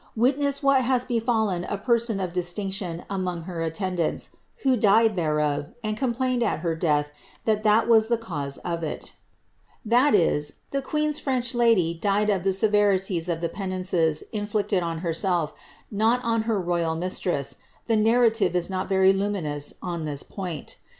Witness what has befallen a person of distinction among her attendants, who died thereof, and complained at her death that that the cause of it'' That is, the queen's French lady died of the ties of the penances inflicted on herself, not on her royal mistress ; the narrative is not very luminous on this point.